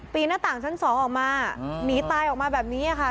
หน้าต่างชั้น๒ออกมาหนีตายออกมาแบบนี้ค่ะ